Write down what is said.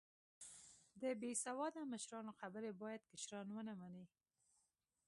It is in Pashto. د بیسیواده مشرانو خبرې باید کشران و نه منې